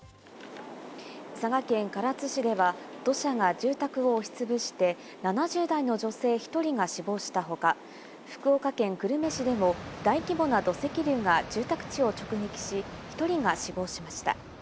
佐賀県唐津市では土砂が住宅を押しつぶして７０代の女性１人が死亡した他、福岡県久留米市でも大規模な土石流が住宅地を直撃し、１人が死亡しました。